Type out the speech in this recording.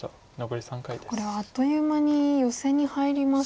これはあっという間にヨセに入りましたか？